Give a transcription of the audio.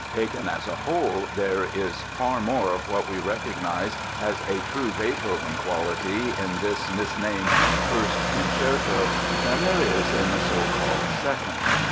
Taken as a whole, there is far more of what we recognize as a true Beethoven quality in this misnamed First Concerto than there is in the so called Second.